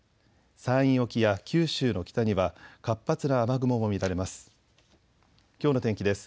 山陰沖や九州の北には活発な雨雲も見られます。